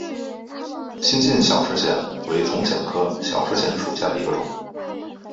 新进小石藓为丛藓科小石藓属下的一个种。